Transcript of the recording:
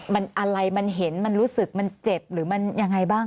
มันอะไรมันเห็นมันรู้สึกมันเจ็บหรือมันยังไงบ้าง